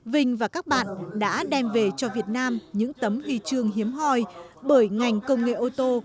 vinh và các bạn đã đem về cho việt nam những tấm hy trương hiếm hoi bởi ngành công nghề ô tô bốn